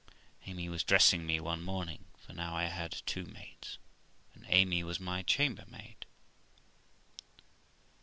Amy was dressing me one morning, for now I had two maids, and Amy was my chambermaid.